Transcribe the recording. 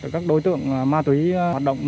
các đối tượng ma túy hoạt động